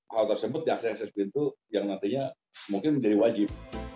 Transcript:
hal tersebut di akses akses pintu yang nantinya mungkin menjadi wajib